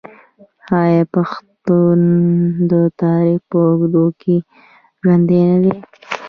آیا پښتون د تاریخ په اوږدو کې ژوندی نه دی؟